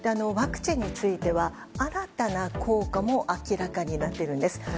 ワクチンについては新たな効果も明らかになっています。